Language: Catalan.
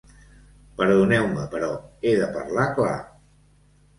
Perdoneu-me però he de parlar clar.